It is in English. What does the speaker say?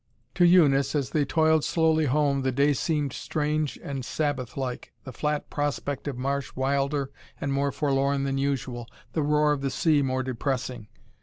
To Eunice as they toiled slowly home the day seemed strange and Sabbath like, the flat prospect of marsh wilder and more forlorn than usual, the roar of the sea more depressing.